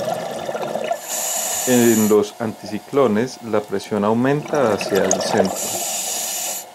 En los anticiclones la presión aumenta hacia el centro.